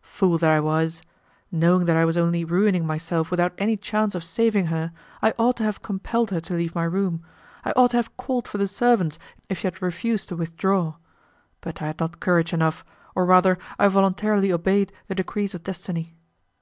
Fool that I was! Knowing that I was only ruining myself without any chance of saving her, I ought to have compelled her to leave my room, I ought to have called for the servants if she had refused to withdraw. But I had not courage enough, or rather I voluntarily obeyed the decrees of destiny.